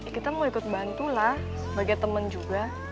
kita mau ikut bantulah sebagai teman juga